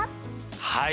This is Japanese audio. はい。